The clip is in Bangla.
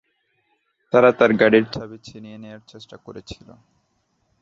তারা তার গাড়ির চাবি ছিনিয়ে নেওয়ার চেষ্টা করেছিল।